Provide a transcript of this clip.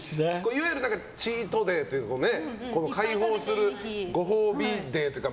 いわゆるチートデーという解放するご褒美デーというか。